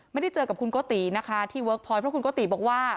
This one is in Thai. ไม่ได้เจอกับคุณโกตินะคะที่เวิร์คพอยต์เพราะคุณโกติบอกว่า